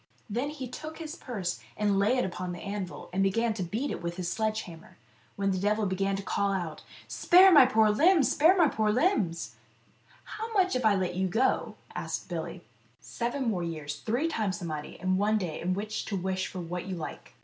Then he took his purse and lay it upon the anvil, and began to beat it with his sledge hammer, when the devil began to call out, " Spare my poor limbs, spare my poor limbs !"" How much now if I let you go ?" asked Billy. " Seven more years, three times the money, and one day in which to wish for what you like."